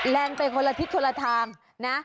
แลนด์ไปคนละทิศคนละทาง